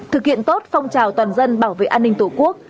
thực hiện tốt phong trào toàn dân bảo vệ an ninh tổ quốc